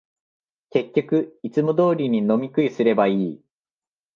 結局、いつも通りに飲み食いすればいい